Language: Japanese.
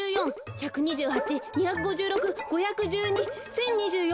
１２８２５６５１２１，０２４。